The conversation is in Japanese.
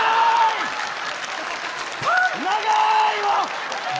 長いわ。